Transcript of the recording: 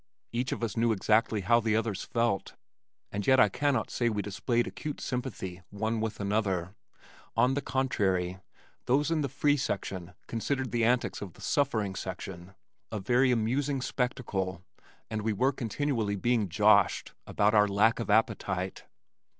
Each of us knew exactly how the others felt, and yet I cannot say that we displayed acute sympathy one with another; on the contrary, those in the free section considered the antics of the suffering section a very amusing spectacle and we were continually being "joshed" about our lack of appetite.